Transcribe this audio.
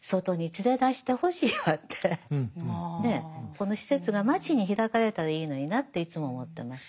この施設が街に開かれたらいいのになっていつも思ってます。